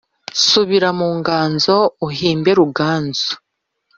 subira mu nganzo uhimbe ruganzu